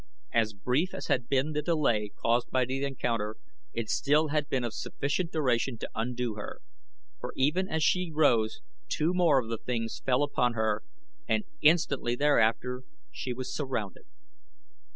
As brief as had been the delay caused by the encounter, it still had been of sufficient duration to undo her, for even as she rose two more of the things fell upon her and instantly thereafter she was surrounded.